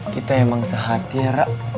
kita emang sehat ya rak